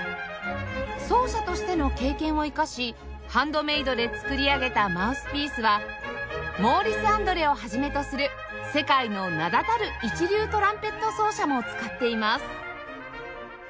奏者としての経験を生かしハンドメイドで作り上げたマウスピースはモーリス・アンドレを始めとする世界の名だたる一流トランペット奏者も使っています